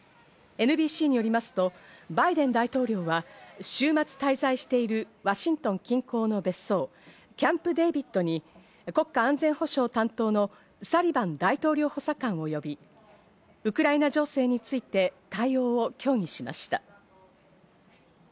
ＮＢＣによりますと、バイデン大統領は週末滞在しているワシントン近郊の別荘、キャンプ・デービッドに国家安全保障担当のサリバン大統領補佐官を呼び、ウクライナ情勢について対応を協議しました。